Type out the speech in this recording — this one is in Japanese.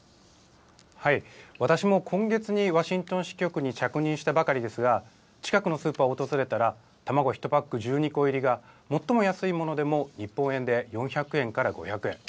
私も今月にワシントン支局に着任したばかりですが、近くのスーパーを訪れたら、卵１パック１２個入りが、最も安いものでも日本円で４００円から５００円。